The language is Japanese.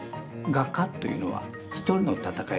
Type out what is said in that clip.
画家というのは一人の闘いだと。